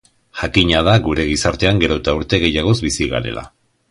Jakina da gure gizartean gero eta urte gehiagoz bizi garela.